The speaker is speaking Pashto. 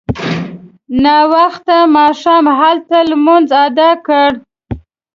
ناوخته ماښام هلته لمونځ اداء کړ.